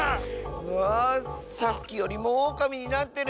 うわあさっきよりもオオカミになってる！